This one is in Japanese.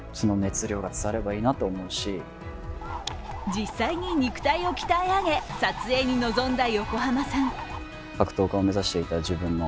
実際に肉体を鍛え上げ、撮影に臨んだ横浜さん。